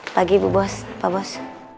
pagi bu bos pak bos